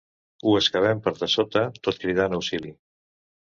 Ho excavem per dessota tot cridant auxili.